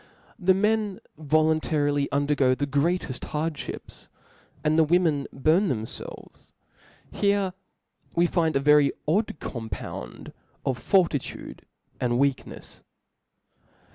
the men voluntarily undergo the greateft hard(hips ; and the women burn themfelves : here wis find a very odd cooipound of fortitude and weaknefs.